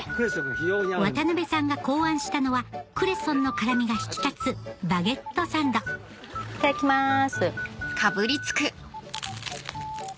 渡辺さんが考案したのはクレソンの辛みが引き立つバゲットサンドいただきます。